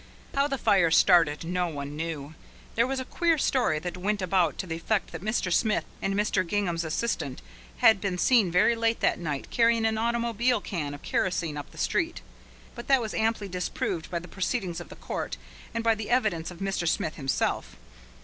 How the fire started no one ever knew. There was a queer story that went about to the effect that Mr. Smith and Mr. Gingham's assistant had been seen very late that night carrying an automobile can of kerosene up the street. But that was amply disproved by the proceedings of the court, and by the evidence of Mr. Smith himself.